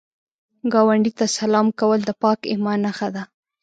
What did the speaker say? ګاونډي ته سلام کول د پاک ایمان نښه ده